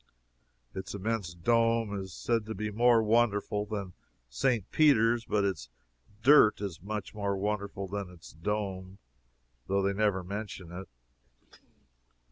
Its immense dome is said to be more wonderful than St. Peter's, but its dirt is much more wonderful than its dome, though they never mention it.